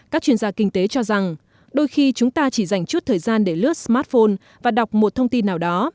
các chuyên gia kinh tế cho rằng đôi khi chúng ta chỉ dành chút thời gian để lướt smartphone và đọc một thông tin nào đó